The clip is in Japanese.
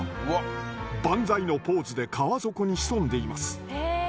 万歳のポーズで川底に潜んでいます。